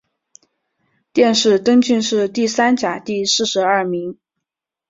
殿试登进士第三甲第四十二名。